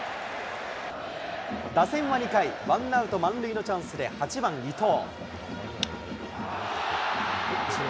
打線は２回、ワンアウト満塁のチャンスで８番いとう。